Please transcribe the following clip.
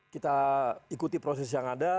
kita ikuti proses yang ada